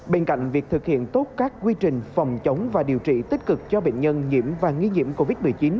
bên cạnh việc thực hiện tốt các quy trình phòng chống và điều trị tích cực cho bệnh nhân nhiễm và nghi nhiễm covid một mươi chín